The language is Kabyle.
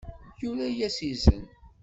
Yura-yas izen.